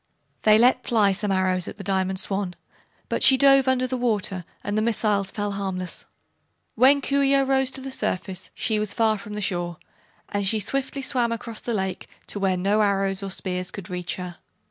They let fly some arrows at the Diamond Swan, but she dove under the water and the missiles fell harmless. When Coo ce oh rose to the surface she was far from the shore and she swiftly swam across the lake to where no arrows or spears could reach her.